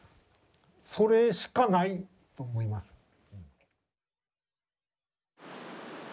それしかないと思います。